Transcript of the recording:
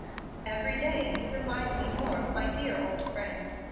Every day you remind me more of my dear old friend.